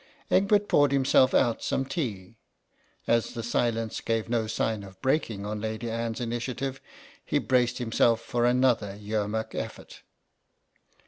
Egbert poured himself out some tea. As the silence gave no sign of breaking on Lady Anne's initiative, he braced himself for another Yermak effort.